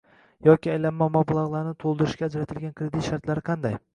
yoki aylanma mablag‘larni to‘ldirishga ajratiladigan kredit shartlari qanday?